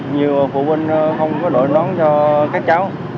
nhiều phụ huynh không có đội nón cho các cháu